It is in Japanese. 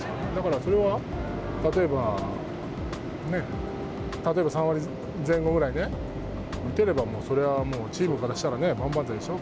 それは例えば、３割前後ぐらいで打てればそれはもうチームからしたら万々歳でしょう。